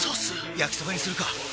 焼きそばにするか！